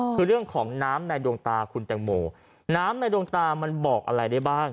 คือเรื่องของน้ำในดวงตาคุณแตงโมน้ำในดวงตามันบอกอะไรได้บ้าง